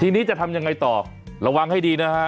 ทีนี้จะทำยังไงต่อระวังให้ดีนะฮะ